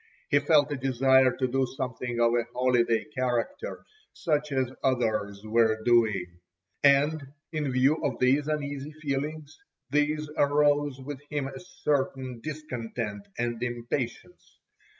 He felt a desire to do something of a holiday character such as others were doing. And in view of these uneasy feelings there arose within him a certain discontent and impatience.